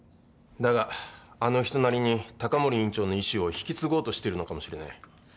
だがあの人なりに高森院長の遺志を引き継ごうとしてるのかもしれない。